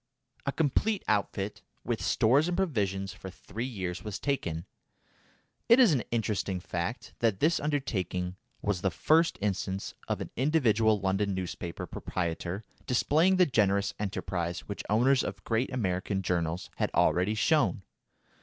A complete outfit, with stores and provisions for three years was taken. It is an interesting fact that this undertaking was the first instance of an individual London newspaper proprietor displaying the generous enterprise which owners of great American journals had already shown.